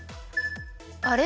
あれ？